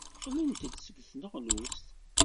Qqlent-d seg tneɣlust.